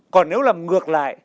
còn nếu làm ngược lại